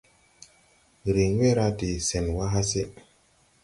Riŋ we ra de sɛn wà hase.